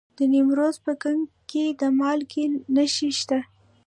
د نیمروز په کنگ کې د مالګې نښې شته.